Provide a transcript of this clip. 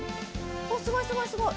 おすごいすごいすごい！